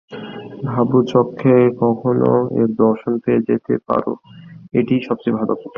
ভাব-চক্ষে কখনও এর দর্শন পেয়ে যেতে পার, এটিই সবচেয়ে ভাল উপায়।